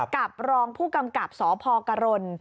กับรองผู้กำกับสพกรณ